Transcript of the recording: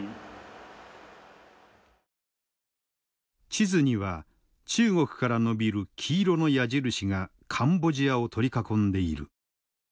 地図には中国から伸びる黄色の矢印がカンボジアを取り囲んでいる。